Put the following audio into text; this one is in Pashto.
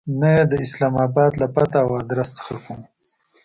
نه یې د اسلام آباد له پته او آدرس څخه کوو.